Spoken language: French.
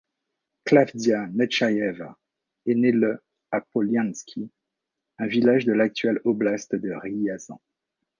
Klavdia Netchaïeva est née le à Polianki, un village de l'actuelle oblast de Riazan.